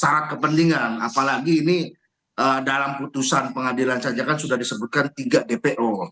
syarat kepentingan apalagi ini dalam putusan pengadilan saja kan sudah disebutkan tiga dpo